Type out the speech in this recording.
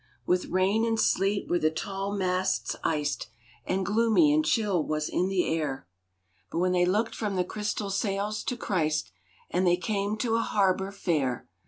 With rain and sleet were the tall masts iced, And gloomy and chill was the air, But they looked from the crystal sails to Christ, And they came to a harbor fair.